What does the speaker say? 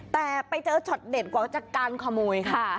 แต่ไปเจอช็อตเด็ดกว่าจากการขโมยค่ะ